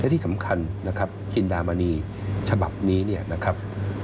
และที่สำคัญนะครับจินดามณีฉบับนี้นะครับ